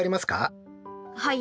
はい。